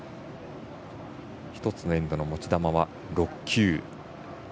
１つのエンドの持ち球は６球。